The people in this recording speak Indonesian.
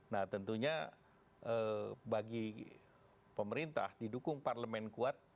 nah tentunya bagi pemerintah didukung parlemen kuat